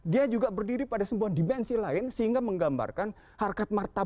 dia juga berdiri pada sebuah dimensi lain sehingga menggambarkan harkat martabat